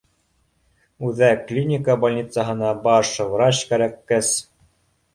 Үҙәк клиника больницаһына баш врач кәрәккәс